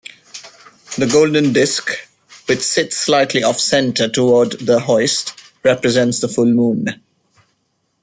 The golden disk, which sits slightly off-centre toward the hoist, represents the full moon.